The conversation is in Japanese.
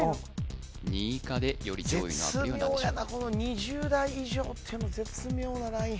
２位以下でより上位のアプリは何でしょうかこの２０代以上っての絶妙なライン